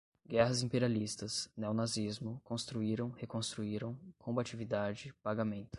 Guerras imperialistas, neonazismo, construíram, reconstruíram, combatividade, pagamento